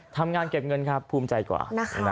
ทำงานเก็บเงินครับภูมิใจกว่า